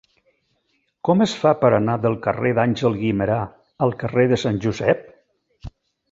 Com es fa per anar del carrer d'Àngel Guimerà al carrer de Sant Josep?